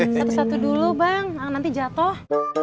satu satu dulu bang nanti jatuh